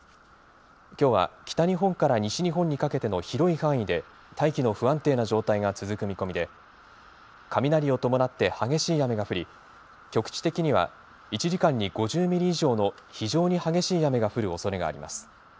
きょうは北日本から西日本にかけての広い範囲で大気の不安定な状態が続く見込みで、雷を伴って激しい雨が降り、局地的には、１時間に５０ミリ以上の非常に激しい雨が降るおそれがあります。